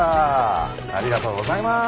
ありがとうございます。